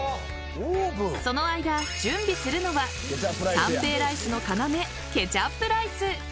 その間準備するのは三平ライスの要ケチャップライス。